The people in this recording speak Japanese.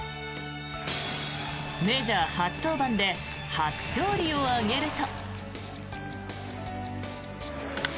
メジャー初登板で初勝利を挙げると。